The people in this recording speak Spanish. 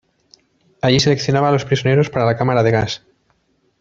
Allí seleccionaba a los prisioneros para la cámara de gas.